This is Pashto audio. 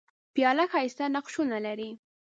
پیاله ښايسته نقشونه لري.